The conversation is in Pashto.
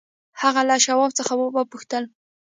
هغه له شواب څخه وپوښتل.